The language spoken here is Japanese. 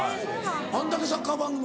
あんだけサッカー番組